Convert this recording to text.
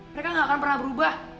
mereka gak akan pernah berubah